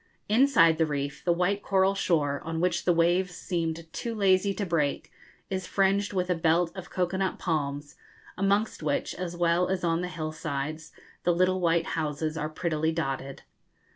Inside the reef, the white coral shore, on which the waves seemed too lazy to break, is fringed with a belt of cocoa nut palms, amongst which, as well as on the hill sides, the little white houses are prettily dotted.